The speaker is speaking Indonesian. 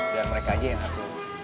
biar mereka aja yang satu